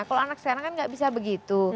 kalau anak sekarang kan nggak bisa begitu